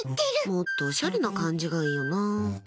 もっとおしゃれな感じがいいよな。